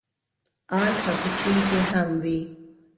ان که په چين کې هم وي.